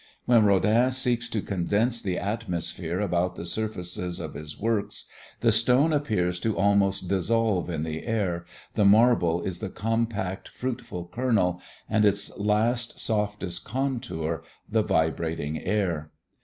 When Rodin seeks to condense the atmosphere about the surfaces of his works, the stone appears to almost dissolve in the air, the marble is the compact, fruitful kernel, and its last softest contour the vibrating air.